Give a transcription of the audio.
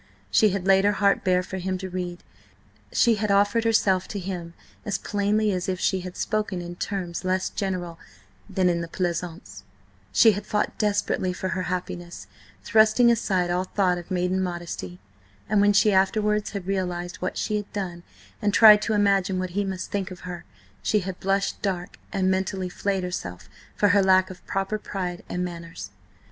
She had laid her heart bare for him to read; she had offered herself to him as plainly as if she had spoken in terms less general than in the pleasaunce; she had fought desperately for her happiness, thrusting aside all thought of maiden modesty, and when she afterwards had realised what she had done, and tried to imagine what he must think of her, she had blushed dark, and mentally flayed herself for her lack of proper pride and manners.